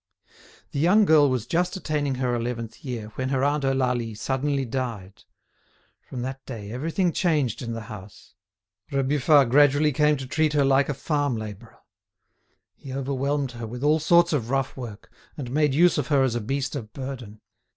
The young girl was just attaining her eleventh year when her aunt Eulalie suddenly died. From that day everything changed in the house. Rebufat gradually come to treat her like a farm labourer. He overwhelmed her with all sorts of rough work, and made use of her as a beast of burden.